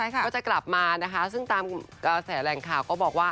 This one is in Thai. ก็จะกลับมานะคะซึ่งตามกระแสแรงข่าวก็บอกว่า